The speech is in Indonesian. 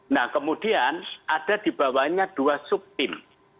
nah kemudian ada dibawahnya dua sub tim